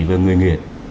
với người nghiệt